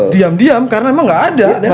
diam diam karena memang nggak ada